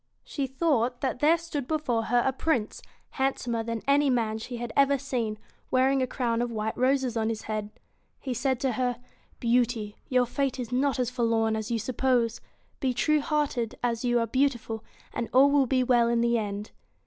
She thought that there stood before her a Prince, handsomer than any man she had ever BEAUTY seen, wearing: a crown of white roses on his head. BEAST He said to her: <Beaut y' y ur fate is not as forlorn as you suppose. Be true hearted as you are beautiful, and all will be well in the end.'